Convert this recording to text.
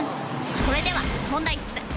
それでは問題っす